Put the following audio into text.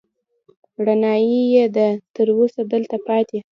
رڼايي يې ده، تر اوسه دلته پاتې